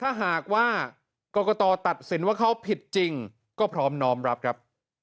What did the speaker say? ถ้าหากว่ากรกตตัดสินว่าเขาผิดจริงก็พร้อมน้อมรับครับ